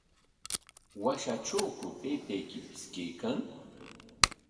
¿Washatrawku taytaykipis kaykan?